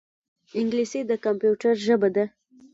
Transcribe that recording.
انګلیسي د کمپیوټر ژبه ده